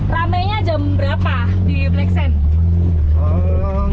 ramainya jam berapa di black sand